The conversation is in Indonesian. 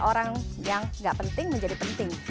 orang yang gak penting menjadi penting